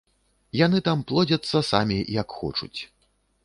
Яны там плодзяцца самі як хочуць.